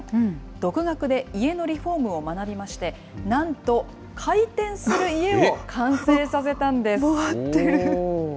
独学で家のリフォームを学びまして、なんと、回転する家を完成さ回ってる。